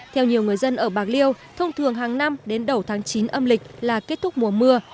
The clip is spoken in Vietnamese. theo nhiều người dân ở bạc liêu thông thường hàng năm đến đầu tháng chín âm lịch là kết thúc mùa mưa